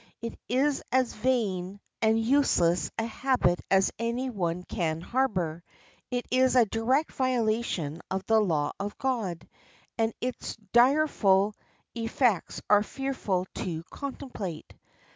It is as vain and useless a habit as any one can harbor. It is a direct violation of the law of God, and its direful effects are fearful to contemplate.